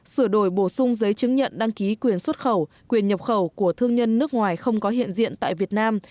sửa đổi bổ sung giấy chứng nhận đăng ký quyền xuất khẩu quyền nhập khẩu của thương nhân nước ngoài không có hiện diện tại việt nam